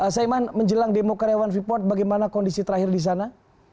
saiman menjelang demo karyawan freeport bagaimana kondisi terakhir di sana